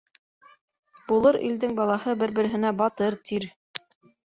Булыр илдең балаһы бер-береһенә «батыр» тир